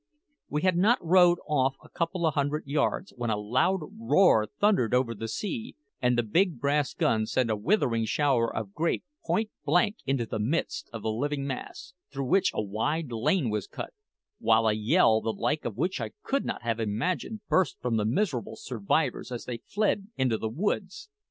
We had not rowed off above a couple of hundred yards when a loud roar thundered over the sea, and the big brass gun sent a withering shower of grape point blank into the midst of the living mass, through which a wide lane was cut; while a yell, the like of which I could not have imagined, burst from the miserable survivors as they fled to the woods.